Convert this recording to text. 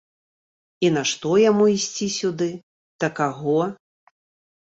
І нашто яму ісці сюды, да каго?